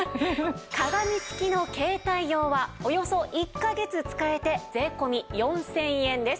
鏡付きの携帯用はおよそ１カ月使えて税込４０００円です。